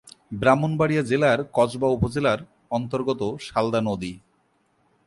ব্রাহ্মণবাড়িয়া জেলার কসবা উপজেলার অন্তর্গত সালদা নদী।